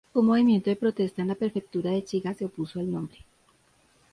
Un movimiento de protesta en la prefectura de Shiga se opuso al nombre.